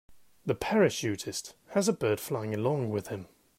The parachutist has a bird flying along with him